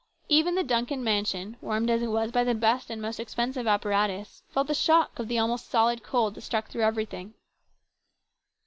Even the Duncan mansion, warmed as it was by the best and most expensive apparatus, felt the shock of the almost solid cold that struck through everything.